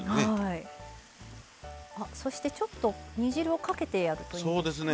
そしてちょっと煮汁をかけてやってますか？